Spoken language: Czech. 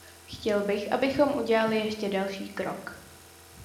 Chtěl bych, abychom udělali ještě další krok.